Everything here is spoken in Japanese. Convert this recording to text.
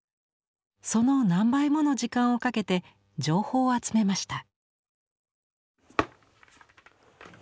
その何倍もの時間をかけて情報を集めました。